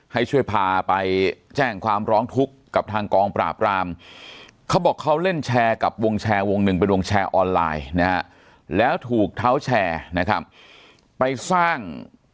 ให้ช่วยพาไปแจ้งความร้องทุกข์กับทางกองปราบรามเขาบอกเขาเล่นแชร์กับวงแชร์วงหนึ่งเป็นวงแชร์ออนไลน์นะฮะแล้วถูกเท้าแชร์นะครับไปสร้าง